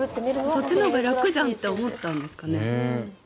そっちのほうが楽じゃんって思ったんですかね。